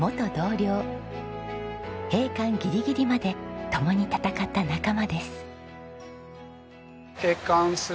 閉館ギリギリまで共に闘った仲間です。